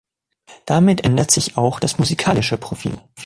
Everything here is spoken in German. Damit änderte sich auch das musikalische Profil.